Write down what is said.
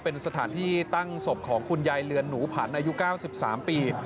เป็นสถานที่ตั้งศพของคุณยายเลือนหนูผันอายุเก้าสิบสามปี